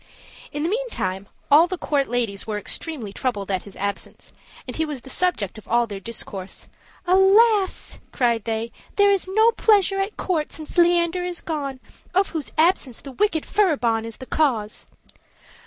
In the meantime all the court ladies were extremely troubled at his absence, and he was the subject of all their discourse. "Alas!" cried they, "there is no pleasure at court since Leander is gone, of whose absence the wicked Furibon is the cause!"